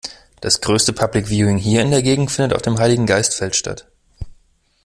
Das größte Public Viewing hier in der Gegend findet auf dem Heiligengeistfeld statt.